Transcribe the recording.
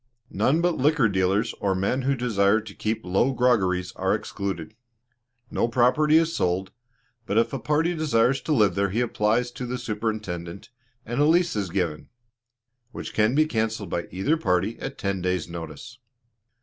None but liquor dealers or men who desire to keep low groggeries are excluded. No property is sold, but if a party desires to live there he applies to the Superintendent, and a lease is given, which can be cancelled by either party at ten days' notice.